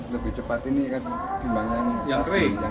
lebih cepat ini kan dibanding yang kering